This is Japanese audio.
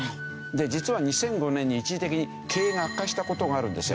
実は２００５年に一時的に経営が悪化した事があるんですよ。